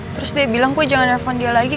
terus dia bilang gue jangan nelfon dia lagi